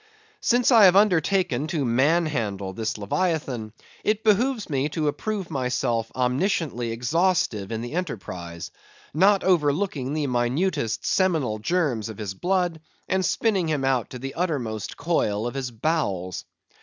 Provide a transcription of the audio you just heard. Since I have undertaken to manhandle this Leviathan, it behooves me to approve myself omnisciently exhaustive in the enterprise; not overlooking the minutest seminal germs of his blood, and spinning him out to the uttermost coil of his bowels.